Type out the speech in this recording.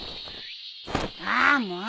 ああもう！